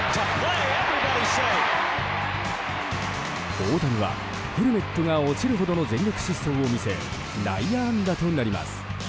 大谷は、ヘルメットが落ちるほどの全力疾走を見せ内野安打となります。